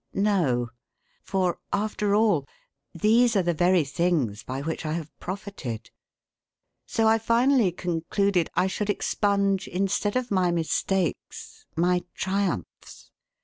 No; for, after all, these are the very things by which I have profited. So I finally concluded I should expunge, instead of my mistakes, my triumphs.